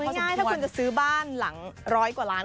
เพราะเอาง่ายถ้าว่าคุณจะซื้อบ้านหลังร้อยกว่าล้าน